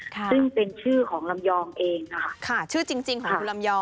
ซึ่งเป็นชื่อของลำยองเองนะคะชื่อจริงของคุณลำยอง